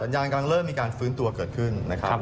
ยานกำลังเริ่มมีการฟื้นตัวเกิดขึ้นนะครับ